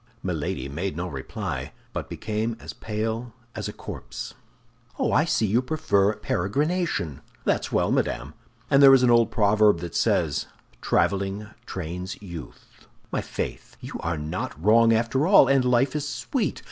Milady made no reply, but became as pale as a corpse. "Oh, I see you prefer peregrination. That's well madame; and there is an old proverb that says, 'Traveling trains youth.' My faith! you are not wrong after all, and life is sweet.